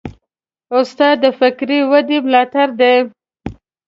استاد د فکري ودې ملاتړی دی.